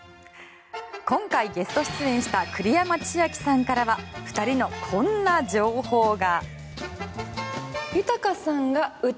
今回ゲスト出演した栗山千明さんからは２人のこんな情報が。